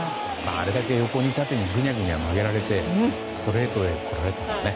あれだけ横に縦にぐにゃぐにゃ曲げられてストレートで来られたらね